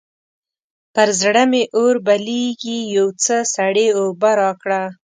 پر زړه مې اور بلېږي؛ يو څه سړې اوبه راکړه.